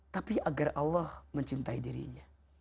tapi agar allah mencintai dirinya